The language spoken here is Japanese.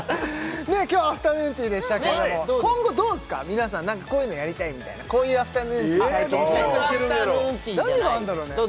今日はアフタヌーンティーでしたけども今後どうですか皆さんこういうのやりたいみたいなこういうアフタヌーンティー体験したい肉アフタヌーンティーじゃない何があんだろうね？